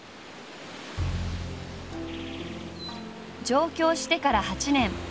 上京してから８年。